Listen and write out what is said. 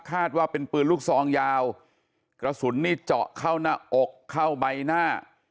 ว่าเป็นปืนลูกซองยาวกระสุนนี่เจาะเข้าหน้าอกเข้าใบหน้า